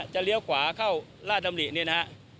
จะเลี้ยวขวาเข้าลาดำรินี่นะครับ